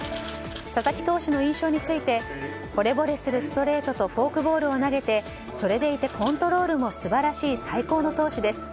佐々木投手の印象についてほれぼれするストレートとフォークボールを投げてそれでいてコントロールも素晴らしい、最高の投手です